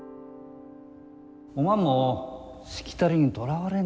おまんもしきたりにとらわれんと。